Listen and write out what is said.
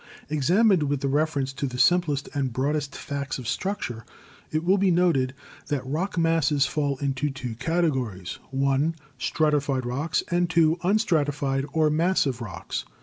Examined with reference to the simplest and broadest facts of structure, it will be noted that rock masses fall into two categories: (1) Stratified Rocks, and (2) Un stratified or Massive Rocks.